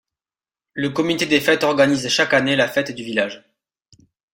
Le comité des fêtes organise chaque année la fête du village.